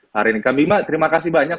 hari ini kang bima terima kasih banyak